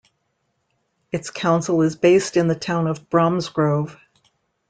Its council is based in the town of Bromsgrove.